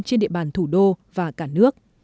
trên địa bàn thủ đô và cả nước